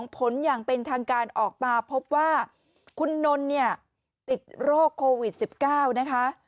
ผลอย่างเป็นทางการออกมาพบว่าคุณนนท์เนี่ยติดโรคโควิด๑๙นะคะ